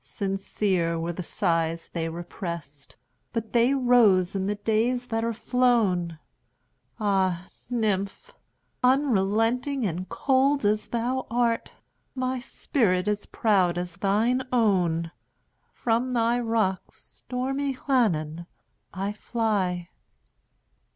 Sincere were the sighs they represt, But they rose in the days that are flown! Ah, nymph! unrelenting and cold as thou art, My spirit is proud as thine own! From thy rocks, stormy Llannon, I fly.